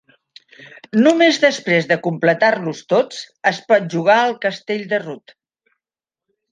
Només després de completar-los tots es pot jugar al castell de Ruth.